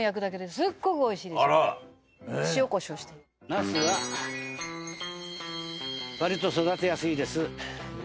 ナスは割と育てやすいです。